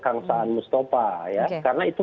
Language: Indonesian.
kang saan mustafa ya karena itu